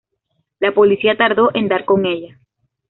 La policía tardó en dar con ella.